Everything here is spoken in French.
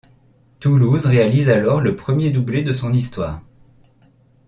Toulouse réalise alors le premier doublé de son histoire.